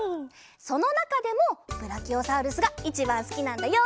そのなかでもブラキオサウルスがいちばんすきなんだよ！